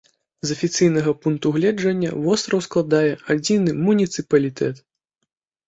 З афіцыйнага пункту гледжання востраў складае адзіны муніцыпалітэт.